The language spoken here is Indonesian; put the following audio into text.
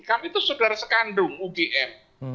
kami itu saudara sekandung ugm